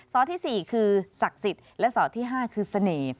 ที่๔คือศักดิ์สิทธิ์และซอสที่๕คือเสน่ห์